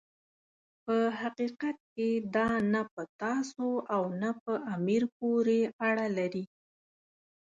په حقیقت کې دا نه په تاسو او نه په امیر پورې اړه لري.